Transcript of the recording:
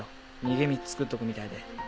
逃げ道つくっとくみたいで。